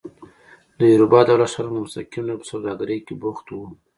د یوروبا دولت ښارونه په مستقیم ډول په سوداګرۍ کې بوخت وو.